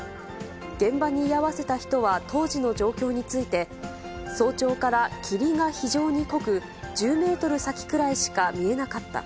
現場に居合わせた人は当時の状況について、早朝から霧が非常に濃く、１０メートル先くらいしか見えなかった。